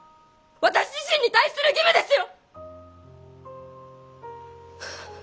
私自身に対する義務ですよ！